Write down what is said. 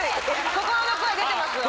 心の声出てますよ